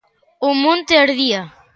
O monte ardía.